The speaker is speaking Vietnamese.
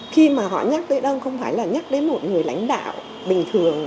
khi mà họ nhắc đến ông không phải là nhắc đến một người lãnh đạo bình thường